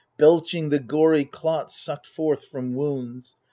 Belching the gory clots sucked forth from wounds.